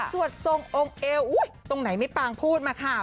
สวดทรงองค์เอวอุ้ยตรงไหนไม่ปางพูดมาค่ะ